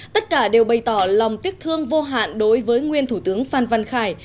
tất cả đều bày tỏ lòng tiếc thương vô hạn đối với nguyên thủ tướng phan văn khải